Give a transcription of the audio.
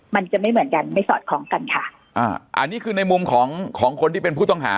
มันจะไม่เหมือนกันไม่สอดคล้องกันค่ะอ่าอันนี้คือในมุมของของคนที่เป็นผู้ต้องหา